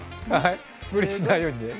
無理しないようにね。